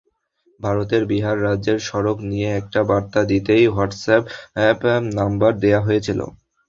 ভারতের বিহার রাজ্যের সড়ক নিয়ে একটি বার্তা দিতেই হোয়াটস অ্যাপ নম্বর দেওয়া হয়েছিল।